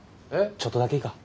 ちょっとだけいいか？